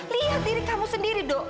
lihat diri kamu sendiri dok